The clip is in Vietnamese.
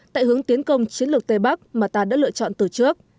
tại hướng tiến công chiến lược tây bắc mà ta đã lựa chọn từ trước